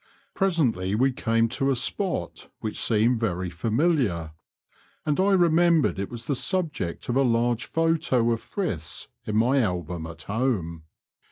Presently we came to a spot wliich seemed very familiar, and I remembered it was the subject of a large photo of Frith's in my album at home.